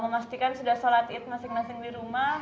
memastikan sudah sholat id masing masing di rumah